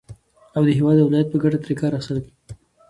او د هېواد او ولايت په گټه ترې كار واخيستل